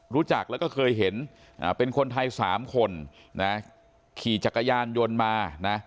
รู้จักแล้วก็เคยเห็นเป็นคนไทย๓คนนะขี่จักรยานยนต์มานะ